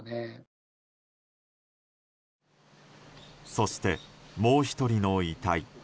そして、もう１人の遺体。